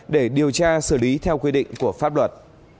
để điều tra xử lý theo quy định của pháp luật